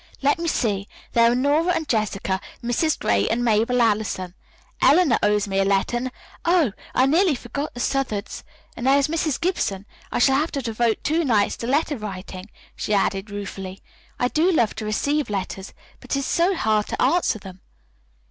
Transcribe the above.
Let me see, there are Nora and Jessica, Mrs. Gray and Mabel Allison. Eleanor owes me a letter, and, oh, I nearly forgot the Southards, and there is Mrs. Gibson. I shall have to devote two nights to letter writing," she added ruefully. "I do love to receive letters, but it is so hard to answer them."